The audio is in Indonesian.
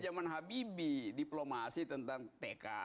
zaman habibie diplomasi tentang tk